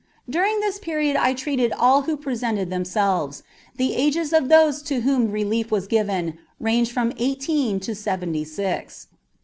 During this period I treated all who presented themselves, the ages of those to whom relief was given ranging from eighteen to seventy six.